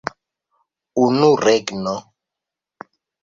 Unu regno!